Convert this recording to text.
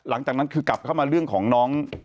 หลังจากนั้นคือกลับเข้ามาเรื่องของน้อง